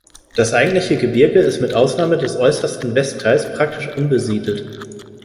Das eigentliche Gebirge ist mit Ausnahme des äußersten Westteils praktisch unbesiedelt.